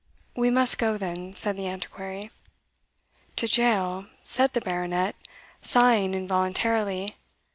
"We must go then," said the Antiquary. "To jail," said the Baronet, sighing involuntarily.